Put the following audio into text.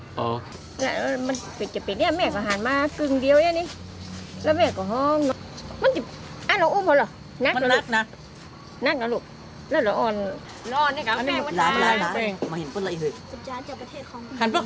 สุดท้ายที่หมุ่มขอบคุณคุณช่วยสวัสดีค่ะ